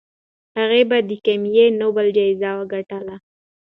هغې بیا د کیمیا نوبل جایزه وګټله.